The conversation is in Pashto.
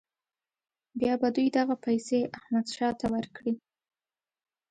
بیا به دوی دغه پیسې احمدشاه ته ورکړي.